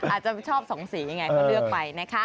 อาจจะชอบสองสียังไงก็เลือกไปนะคะ